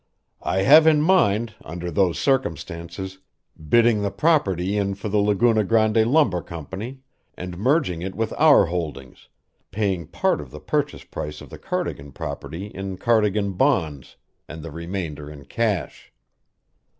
"I have in mind, under those circumstances, bidding the property in for the Laguna Grande Lumber Company and merging it with our holdings, paying part of the purchase price of the Cardigan property in Cardigan bonds, and the remainder in cash."